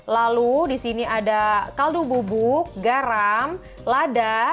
lalu disini ada kaldu bubuk garam lada